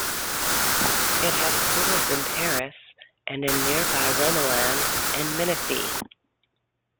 It has schools in Perris and in nearby Romoland and Menifee.